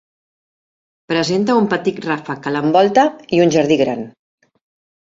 Presenta un petit ràfec que l'envolta, i un jardí gran.